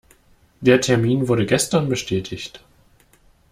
Der Termin wurde gestern bestätigt.